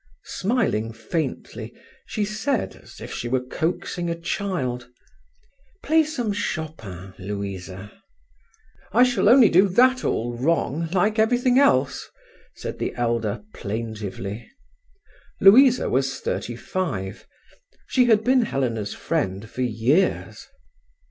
Smiling faintly, she said, as if she were coaxing a child: "Play some Chopin, Louisa." "I shall only do that all wrong, like everything else," said the elder plaintively. Louisa was thirty five. She had been Helena's friend for years.